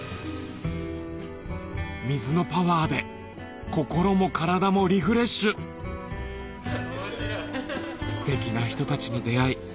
水のパワーで心も体もリフレッシュステキな人たちに出会い